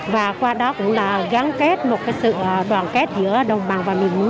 và qua đó cũng là gắn kết một sự đoàn kết giữa đồng bằng và miền núi